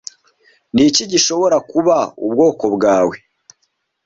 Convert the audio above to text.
Niki gishobora kuba ubwoko bwawe